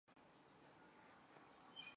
这两个伽玛射线泡外观是互相镜像对称。